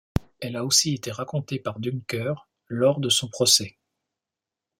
Elle a aussi été racontée par Dunker lors de son procès.